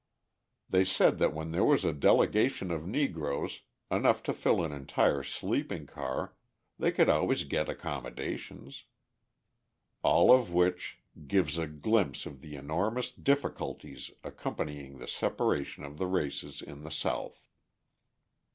They said that when there was a delegation of Negroes, enough to fill an entire sleeping car, they could always get accommodations. All of which gives a glimpse of the enormous difficulties accompanying the separation of the races in the South.